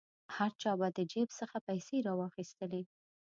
هر چا به د جیب څخه پیسې را واخیستلې.